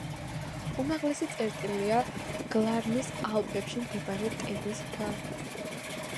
უმაღლესი წერტილია გლარნის ალპებში მდებარე ტედის მთა.